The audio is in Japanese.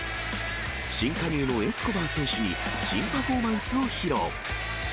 新加入のエスコバー選手に、新パフォーマンスを披露。